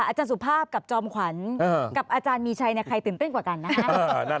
อาจารย์สุภาพกับจอมขวัญกับอาจารย์มีชัยใครตื่นเต้นกว่ากันนะฮะ